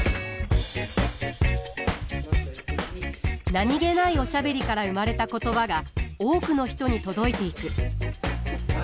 何気ないおしゃべりから生まれた言葉が多くの人に届いていく。